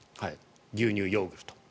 牛乳、ヨーグルト。